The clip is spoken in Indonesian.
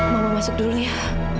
mama masuk dulu ya